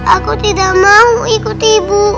aku tidak mau ikuti ibu